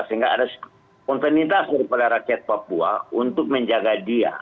sehingga ada kontenitas daripada rakyat papua untuk menjaga dia